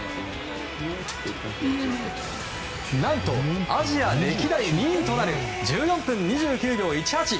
何とアジア歴代２位となる１４分２９秒１８。